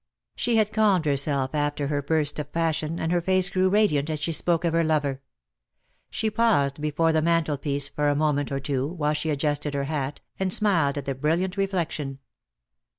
She had calmed herself after her burst of passion, and her face grew radiant as she spoke of her lover. She paused before the mantelpiece for a moment or two, while she adjusted her hat, and smiled at the brilliant reflection.